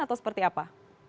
atau seperti apa